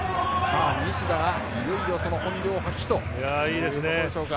西田はいよいよ本領発揮というところでしょうか。